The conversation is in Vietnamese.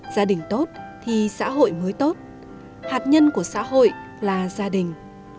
gia đình tốt thì xã hội mới tốt hạt nhân của xã hội là gia đình